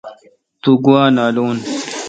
تو گوا نالون۔